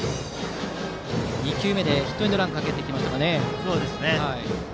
２球目でヒットエンドランをかけてきましたね。